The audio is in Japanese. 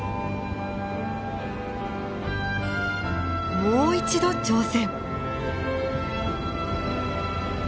もう一度挑戦！